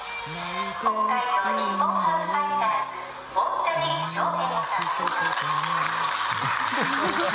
北海道日本ハムファイターズ、大谷翔平さん。